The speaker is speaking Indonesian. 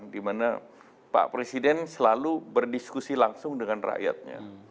dimana pak presiden selalu berdiskusi langsung dengan rakyatnya